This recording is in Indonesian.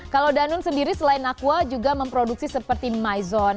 kalau danone sendiri selain aqua juga memproduksi seperti maison